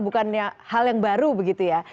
bukannya hal yang baru begitu ya